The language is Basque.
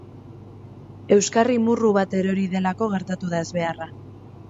Euskarri murru bat erori delako gertatu da ezbeharra.